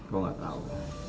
gue gak tau